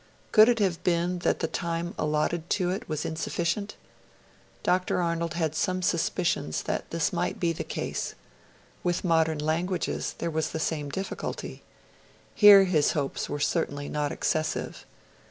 Could it have been that the time allotted to it was insufficient? Dr. Arnold had some suspicions that this might be the case. With modern languages there was the same difficulty. Here his hopes were certainly not excessive.